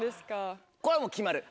これはもう決まる。